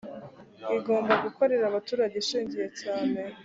igomba gukorera abaturage ishingiye cyane